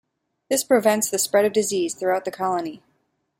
This prevents the spread of disease throughout the colony.